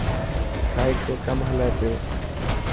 سائٽ تي ڪم هلي پيو.